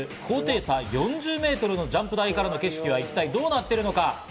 高低差４０ｍのジャンプ台からの景色は一体どうなっているのか？